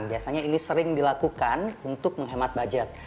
biasanya ini sering dilakukan untuk menghemat budget